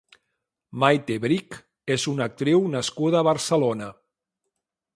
Maite Brik és una actriu nascuda a Barcelona.